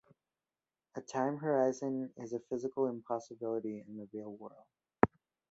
A time horizon is a physical impossibility in the real world.